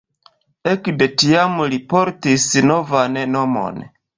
Ekde tiam li portis novan nomon.